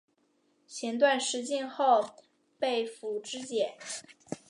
弦断矢尽后被俘支解。